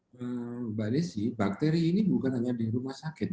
mbak desi bakteri ini bukan hanya di rumah sakit